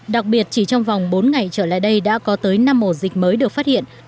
đặc biệt chỉ trong vòng bốn ngày trở lại đây đã có tới năm ổ dịch mới được phát hiện